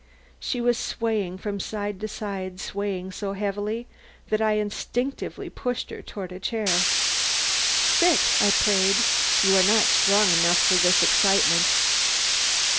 She was swaying from side to side, swaying so heavily that I instinctively pushed forward a chair. "Sit," I prayed. "You are not strong enough for this excitement."